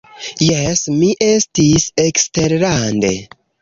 Jes, mi estis eksterlande.